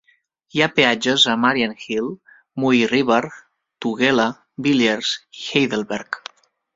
Hi ha peatges a Marianhill, Mooiriver, Tugela, Villiers i Heidelberg.